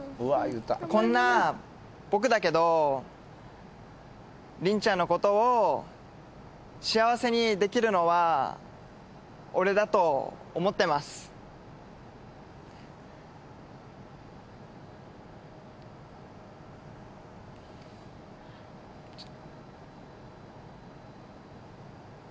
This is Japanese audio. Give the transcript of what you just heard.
こんな僕だけどりんちゃんのことを幸せにできるのは俺だと思ってますきた！